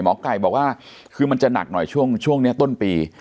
หมอไก่บอกว่ามันจะหนักหน่อยช่วงต้นปี